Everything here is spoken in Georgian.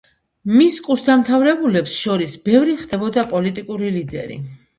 მის კურსდამთავრებულებს შორის ბევრი ხდებოდა პოლიტიკური ლიდერი.